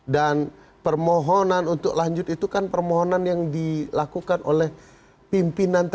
dan permohonan untuk lanjut itu kan permohonan yang dilakukan oleh pimpinan tercinta